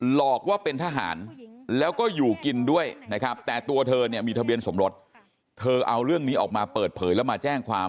หลอกว่าเป็นทหารแล้วก็อยู่กินด้วยนะครับแต่ตัวเธอเนี่ยมีทะเบียนสมรสเธอเอาเรื่องนี้ออกมาเปิดเผยแล้วมาแจ้งความ